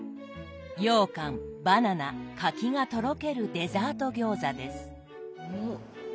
ようかんバナナ柿がとろけるデザート餃子です。